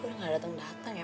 kok dia gak dateng dateng ya